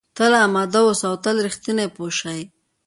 تل اماده اوسه او تل رښتینی پوه شوې!.